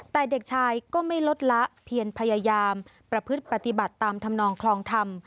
แต่เด็กชายก็ไม่ลดละเพียงพยายามประพฤติปฏิบัติตามธรรมนองคลองธรรม